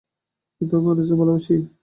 কিন্তু আমি মানুষদের ভালোবাসি।